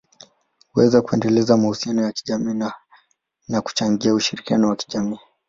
huweza kuendeleza mahusiano ya kijamii na kuchangia ushirikiano wa kijamii.